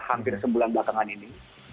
hampir sebulan belakangan ini